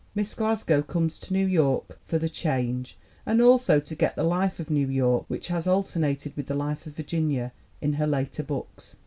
Miss Glasgow comes to New York "for the change," and also to get the life of New York which has alternated with the life of Virginia in her later books.